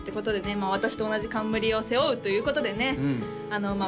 まあ私と同じ冠を背負うということでねまあ